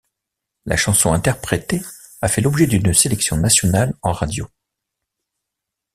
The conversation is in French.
La chanson interprétée a fait l'objet d'une sélection nationale en radio.